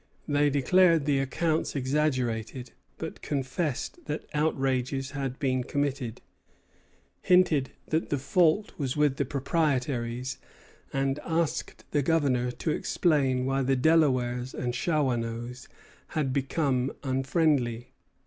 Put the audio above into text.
They declared the accounts exaggerated, but confessed that outrages had been committed; hinted that the fault was with the proprietaries; and asked the Governor to explain why the Delawares and Shawanoes had become unfriendly.